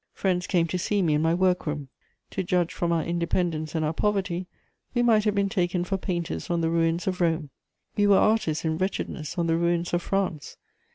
Friends came to see me in my work room. To judge from our independence and our poverty, we might have been taken for painters on the ruins of Rome; we were artists in wretchedness on the ruins of France.